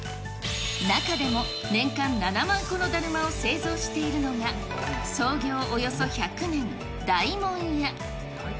中でも年間７万個のだるまを製造しているのが、創業およそ１００年、大門屋。